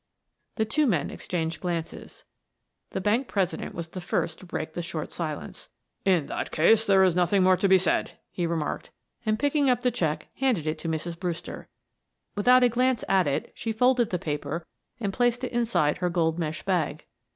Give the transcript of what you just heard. The two men exchanged glances. The bank president was the first to break the short silence. "In that case there is nothing more to be said," he remarked, and picking up the check handed it to Mrs. Brewster. Without a glance at it, she folded the paper and placed it inside her gold mesh bag.